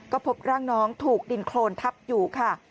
ก็พบร่างน้องถูกดินโครนทับอยู่ค่ะ